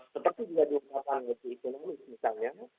seperti juga diunggah unggah ekonomi misalnya